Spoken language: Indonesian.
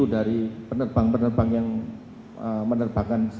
kalau terjadi lensanya yang kangenvery akung